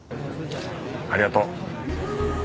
ありがとう。